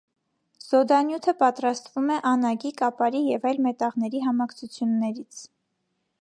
Զոդանյութը պատրաստվում է անագի, կապարի և այլ մետաղների համակցություններից։